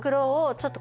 ちょっと